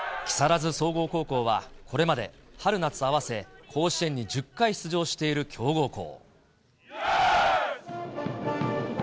木更津総合高校はこれまで春夏合わせ、甲子園に１０回出場している強豪校。